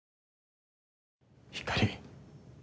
ひかり。